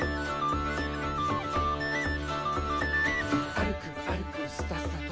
「あるくあるくスタスタと」